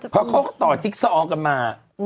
เพราะเขาก็ต่อจิ๊กซอกันมา